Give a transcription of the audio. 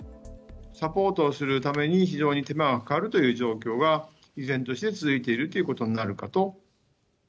サポートをするために、非常に手間がかかるという状況が、依然として続いているということになるかと。